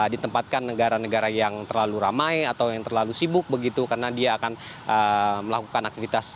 ditempatkan negara negara yang terlalu ramai atau yang terlalu sibuk begitu karena dia akan melakukan aktivitas